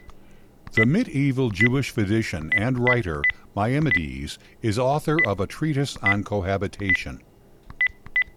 The medieval Jewish physician and writer Maimonides is author of a Treatise on Cohabitation.